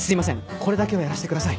これだけはやらせてください。